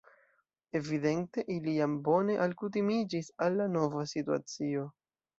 Evidente ili jam bone alkutimiĝis al la nova situacio.